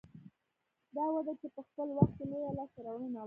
دا وده چې په خپل وخت کې لویه لاسته راوړنه وه